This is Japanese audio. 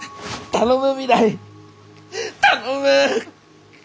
頼む！